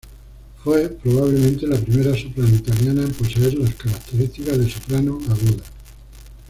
Fue probablemente la primera soprano italiana en poseer las características de soprano aguda.